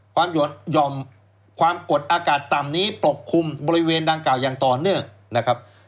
หย่อมความกดอากาศต่ำนี้ปกคลุมบริเวณดังกล่าวอย่างต่อเนื่องนะครับ